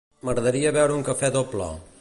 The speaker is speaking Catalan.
M'agradaria beure un cafè doble.